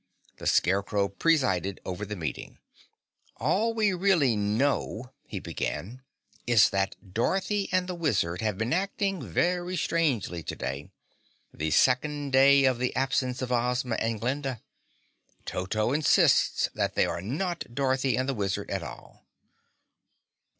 The Scarecrow presided over the meeting. "All we really know," he began, "is that Dorothy and the Wizard have been acting very strangely today the second day of the absence of Ozma and Glinda. Toto insists that they are not Dorothy and the Wizard at all."